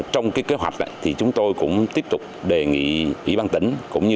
trong kế hoạch này chúng tôi cũng tiếp tục đề nghị ủy ban tỉnh